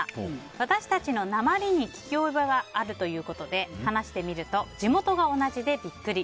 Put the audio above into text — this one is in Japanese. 私たちのなまりに聞き覚えがあるということで話してみると地元が同じでビックリ。